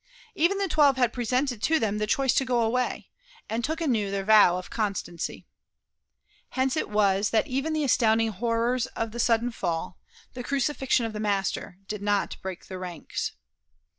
Even the twelve had presented to them the choice to go away, and took anew their vow of constancy. Hence it was that even the astounding horrors of the sudden fall the crucifixion of the Master did not break their ranks.